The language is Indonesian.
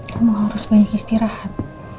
kamu harus banyak istirahat